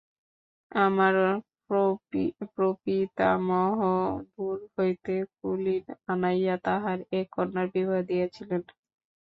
আমার প্রপিতামহ দূর হইতে কুলীন আনাইয়া তাঁহার এক কন্যার বিবাহ দিয়াছিলেন।